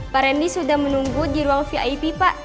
pak randy sudah menunggu di ruang vip pak